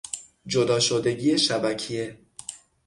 جدا شدگی شبکیه